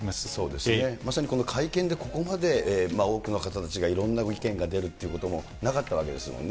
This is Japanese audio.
まさに、会見でここまで多くの方たちがいろんな意見が出るということもなかったわけですもんね。